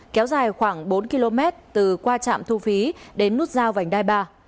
kéo dài khoảng bốn km từ qua trạm thu phí đến nút giao vành đai ba